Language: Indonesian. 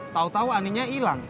tau tau aninya hilang